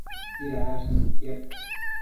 tsidadash nidtiad